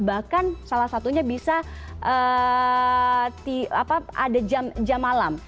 bahkan salah satunya bisa ada jam malam